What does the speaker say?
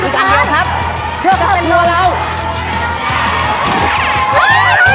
เพื่อกับเป็นแมวเรา